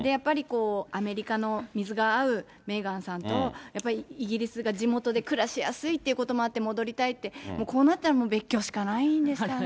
アメリカの水が合うメーガンさんと、やっぱりイギリスが地元で暮らしやすいってこともあって、戻りたいって、こうなったら別居しかないんじゃないですかね。